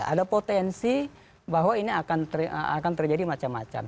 ada potensi bahwa ini akan terjadi macam macam